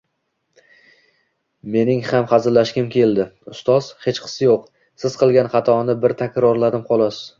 Mening ham xazillashgim keldi: “Ustoz, xechqisi yo’q, siz qilgan xatoni bir takrorladim xalos.